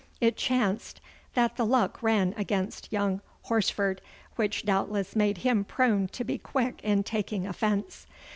It chanced that the luck ran against young Horsford, which doubtless made him prone to be quick in taking offence.